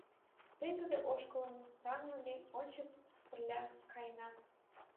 Пеҥгыде ошкылым таҥлыме, Ончык пырля каена.